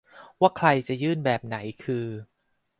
ว่าใครจะยื่นแบบไหนคือ